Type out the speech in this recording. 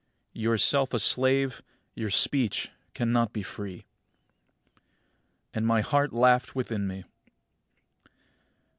30. Yourself a slave, your speech cannot be free. 31. And my heart laughed within me.